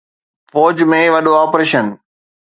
فوج ۾ وڏو آپريشن